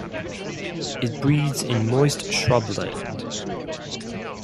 It breeds in moist shrubland.